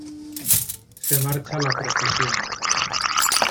Se marcha la procesión.